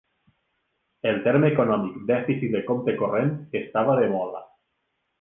El terme econòmic "dèficit de compte corrent" estava de moda.